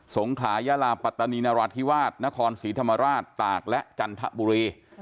งขายาลาปัตตานีนราธิวาสนครศรีธรรมราชตากและจันทบุรี